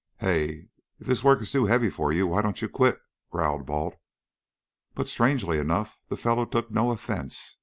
"Hey! If this work is too heavy for you, why don't you quit?" growled Balt, but strangely enough the fellow took no offence.